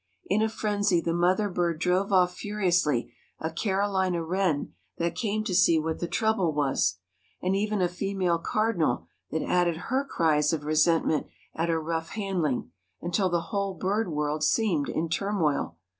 In a frenzy the mother bird drove off furiously a Carolina wren that came to see what the trouble was, and even a female cardinal, that added her cries of resentment at her rough handling, until the whole bird world seemed in turmoil.